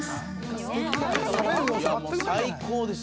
最高ですよ。